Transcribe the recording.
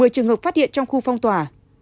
một mươi trường hợp phát hiện trong khu phong tỏa